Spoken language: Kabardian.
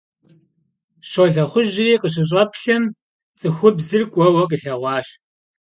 Щолэхъужьри къыщыщӀэплъым, цӀыхубзыр кӀуэуэ къилъэгъуащ.